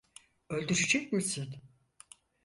Öldürecek misin?